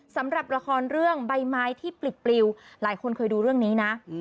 สำหรับละครเรื่องใบไม้ที่ปลิดปลิวหลายคนเคยดูเรื่องนี้นะ